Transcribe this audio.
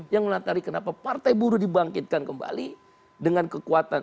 yang menatari kenapa partai buruh dibangkitkan kembali dengan kekuatan